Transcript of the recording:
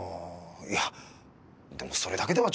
いやでもそれだけではちょっと。